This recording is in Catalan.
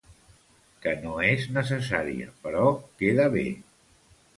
Que no és necessària, però queda bé.